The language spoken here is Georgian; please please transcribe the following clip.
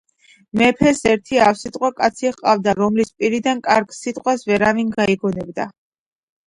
მეფეს ერთი ავსიტყვა კაცი ჰყავდა რომლის პირიდან კარგი სიტყვას ვერავინ გაიგონებდა.